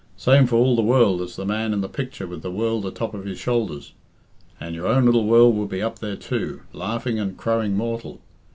Same for all the world as the man in the picture with the world atop of his shoulders. And your own lil world would be up there, too, laughing and crowing mortal.